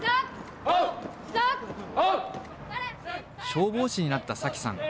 消防士になった紗季さん。